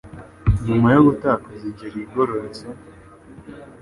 nyuma yo gutakaza inzira igororotse